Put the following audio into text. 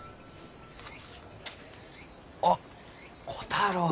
あっ虎太郎。